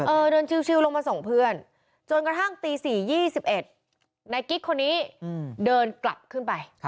เดินชิวลงมาส่งเพื่อนจนกระทั่งตี๔๒๑นายกิ๊กคนนี้เดินกลับขึ้นไป